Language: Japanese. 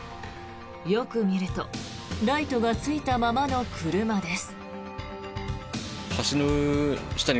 よく見るとライトがついたままの車です。